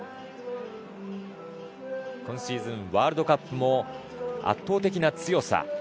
今シーズン、ワールドカップも圧倒的な強さ。